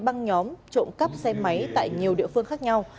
băng nhóm trộm cắp xe máy tại nhiều địa phương khác nhau